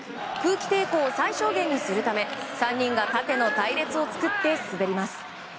空気抵抗を最小限にするため３人が縦の隊列を作って滑ります。